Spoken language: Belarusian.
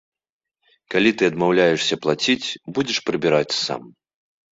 Калі ты адмаўляешся плаціць, будзеш прыбіраць сам.